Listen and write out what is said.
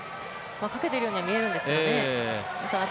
かけているようには見えるんですかね。